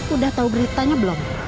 udah tau beritanya belum